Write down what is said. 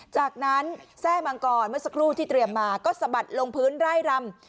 จากนั้นแทร่มังกรเมื่อสักครู่ที่เตรียมมาก็สะบัดลงพื้นไร่รำ